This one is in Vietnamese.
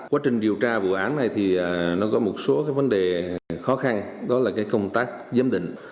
quá trình điều tra vụ án này thì nó có một số cái vấn đề khó khăn đó là cái công tác giám định